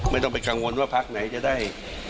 ไม่ต้องไปกังวลว่าพักไหนจะได้